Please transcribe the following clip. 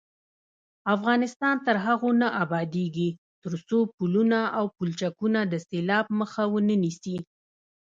افغانستان تر هغو نه ابادیږي، ترڅو پلونه او پلچکونه د سیلاب مخه ونه نیسي.